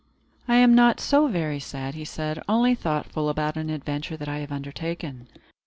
"I am not so very sad," said he, "only thoughtful about an adventure that I have undertaken."